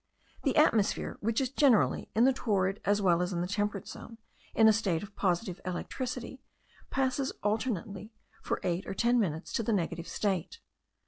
The atmosphere, which is generally, in the torrid as well as in the temperate zone, in a state of positive electricity, passes alternately, for eight or ten minutes, to the negative state.